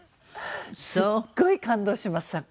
すっごい感動します